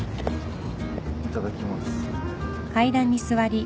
いただきます。